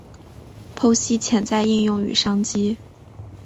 剖析潜在应用与商机